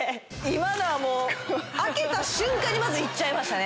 今のはもう開けた瞬間にまず行っちゃいましたね。